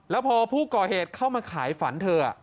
แล้วพอผู้ก่อเหตุเข้ามาขายฝันเธอ